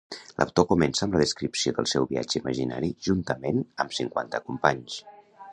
L'autor comença amb la descripció del seu viatge imaginari juntament amb cinquanta companys.